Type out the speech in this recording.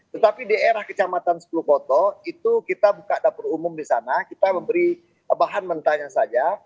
tetapi di era kecamatan sepuluh koto itu kita buka dapur umum di sana kita memberi bahan mentahnya saja